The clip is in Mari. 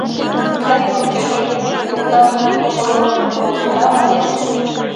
Тый лучо Дементьев йолташын мом ойлымыжым колыштам ыле.